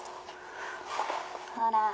ほら。